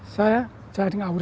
saya tidak usah takut